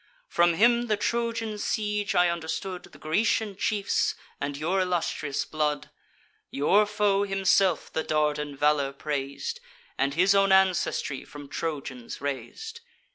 From him the Trojan siege I understood, The Grecian chiefs, and your illustrious blood. Your foe himself the Dardan valour prais'd, And his own ancestry from Trojans rais'd.